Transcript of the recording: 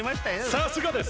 さすがです。